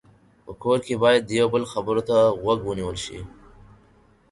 په کور کې باید د یو بل خبرو ته غوږ ونیول شي.